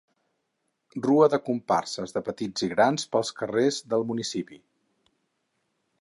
Rua de comparses de petits i grans pels carrers del municipi.